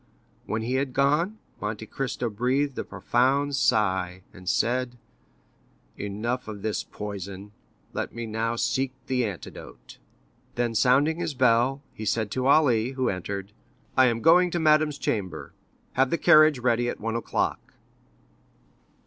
When he had gone, Monte Cristo breathed a profound sigh, and said: "Enough of this poison, let me now seek the antidote." Then sounding his bell, he said to Ali, who entered: "I am going to madame's chamber—have the carriage ready at one o'clock."